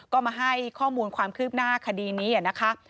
ก็มาให้ข้อมูลความคืบหน้าคดีนี้นะคะ